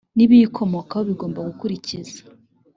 n ibiyikomokaho bigomba gukurikiza